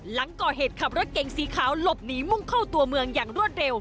หลังก่อเหตุขับรถเก่งสีขาวหลบหนีมุ่งเข้าตัวเมืองอย่างรวดเร็ว